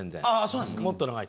そうなんですか。